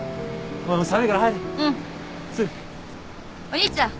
お兄ちゃん。